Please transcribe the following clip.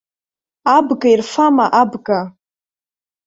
Абга ирфама, абга!